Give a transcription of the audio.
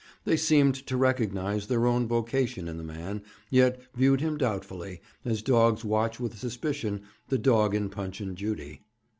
They seemed to recognise their own vocation in the man, yet viewed him doubtfully, as dogs watch with suspicion the dog in Punch and Judy.